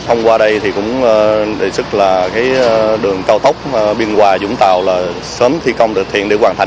hôm qua đây thì cũng đề xuất là đường cao tốc biên hòa vũng tàu là sớm thi công được thiện để hoàn thành